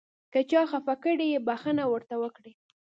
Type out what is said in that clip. که چا خفه کړئ بښنه ورته وکړئ .